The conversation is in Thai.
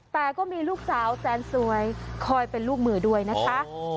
แต่ก็มีลูกสาวแสนสวยคอยเป็นลูกมือด้วยนะคะ